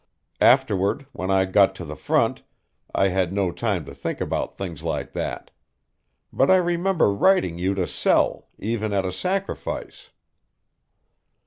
Afterward, when I got to the front, I had no time to think about things like that. But I remember writing you to sell, even at a sacrifice."